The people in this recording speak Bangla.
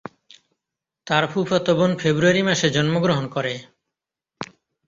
তার ফুফাতো বোন ফেব্রুয়ারি মাসে জন্মগ্রহণ করে।